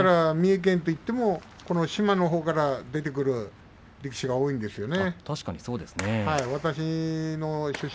三重県といっても志摩のほうから出てくる力士が多いんですね。